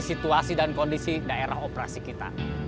situasi dan kondisi daerah operasi kita